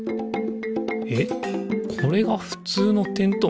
えっこれがふつうのてんとう